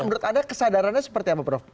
menurut anda kesadarannya seperti apa prof